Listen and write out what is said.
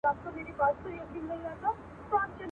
په خندا يې مچولم غېږ يې راکړه.